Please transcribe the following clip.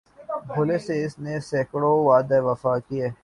بھولے سے اس نے سیکڑوں وعدے وفا کیے